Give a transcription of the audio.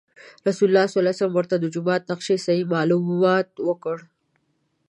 رسول الله صلی الله علیه وسلم ورته د جومات د نقشې صحیح معلومات ورکړل.